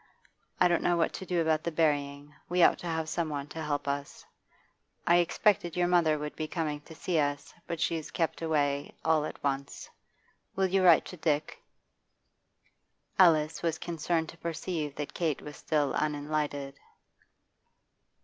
I don't know what to do about the burying; we ought to have some one to help us. I expected your mother would be coming to see us, but she's kept away all at once. Will you write to Dick?' Alice was concerned to perceive that Kate was still unenlightened.